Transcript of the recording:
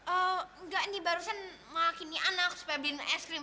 enggak ini barusan malah kini anak supaya beliin es krim